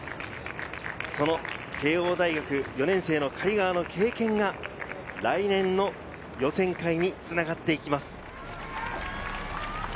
慶應大学４年生の貝川の経験が来年の予選会に繋がっていきます。